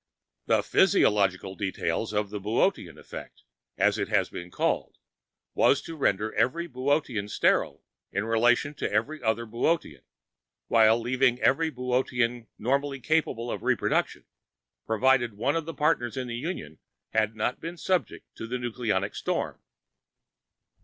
The physiological details of the "Boötean Effect," as it has been called, was to render every Boötean sterile in relation to every other Boötean, while leaving each Boötean normally capable of reproduction, provided one of the partners in the union had not been subjected to the nucleonic storm.